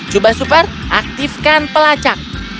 jubah super aktifkan pelacak